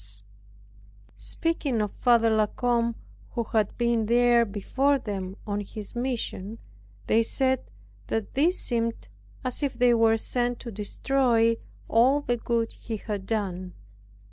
Speaking of Father La Combe, who had been there before them on his mission, they said that these seemed as if they were sent to destroy all the good he had done.